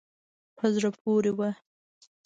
په زړه پورې وه.